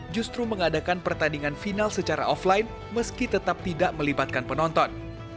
justru mengadakan pertandingan final secara offline meski tetap tidak melibatkan penonton